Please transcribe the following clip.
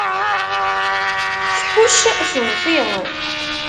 Tḥucc, teḍfi.